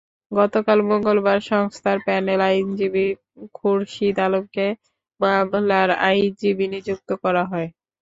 গতকাল মঙ্গলবার সংস্থার প্যানেল আইনজীবী খুরশিদ আলমকে মামলার আইনজীবী নিযুক্ত করা হয়।